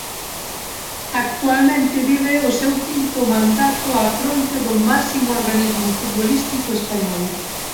Actualmente vive o seu quinto mandato á fronte do máximo organismo futbolístico español.